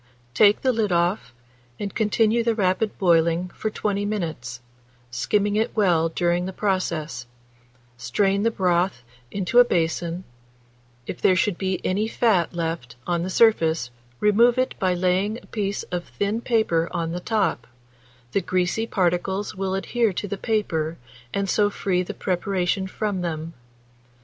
Take the lid off, and continue the rapid boiling for 20 minutes, skimming it well during the process; strain the broth into a basin; if there should be any fat left on the surface, remove it by laying a piece of thin paper on the top: the greasy particles will adhere to the paper, and so free the preparation from them.